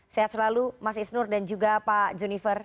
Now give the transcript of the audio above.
sehat selalu mas isnur dan juga pak junifer